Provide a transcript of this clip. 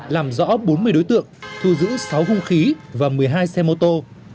làm rõ bốn mươi đối tượng thu giữ sáu hung khí và một mươi hai xe mô tô